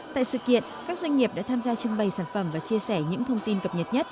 tại sự kiện các doanh nghiệp đã tham gia trưng bày sản phẩm và chia sẻ những thông tin cập nhật nhất